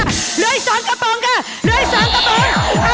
เหลือสองกระโปรดค่ะเหลือสองกระโปรด